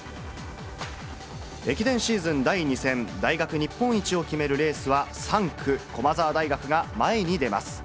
駅伝シーズン第２戦、大学日本一を決めるレースは３区、駒澤大学が前に出ます。